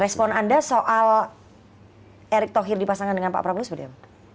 respon anda soal erick thohir dipasangkan dengan pak prabowo seperti apa